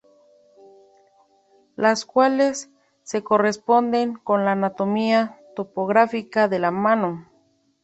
Las cuales se corresponden con la anatomía topográfica de la mano.